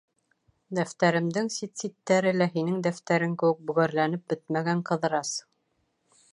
Дәфтәремдең сит-ситтәре лә һинең дәфтәрең кеүек бөгәрләнеп бөтмәгән, Ҡыҙырас!..